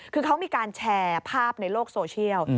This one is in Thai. คือเขามีการแชร์ภาพในโลกโซเชียล